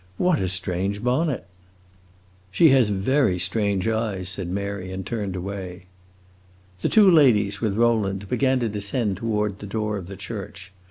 "What a strange bonnet!" "She has very strange eyes," said Mary, and turned away. The two ladies, with Rowland, began to descend toward the door of the church.